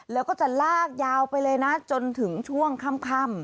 แล้วก็จะลากยาวไปเลยนะจนถึงช่วงค่ำ